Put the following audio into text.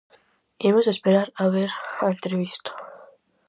Imos esperar a ver a entrevista.